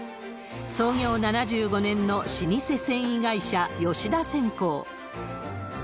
創業７５年の老舗繊維会社、吉田染工。